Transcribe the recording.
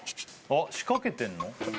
あ仕掛けてんの？